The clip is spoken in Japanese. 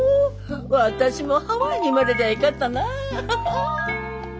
私もハワイに生まれりゃえかったなあ。